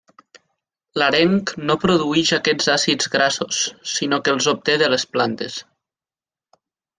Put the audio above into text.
L'areng no produeix aquests àcids grassos, sinó que els obté de les plantes.